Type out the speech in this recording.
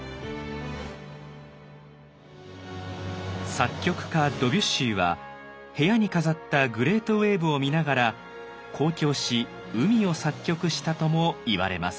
作曲家ドビュッシーは部屋に飾った「グレートウエーブ」を見ながら交響詩「海」を作曲したともいわれます。